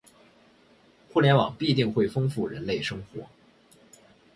互联网必定会丰富人类生活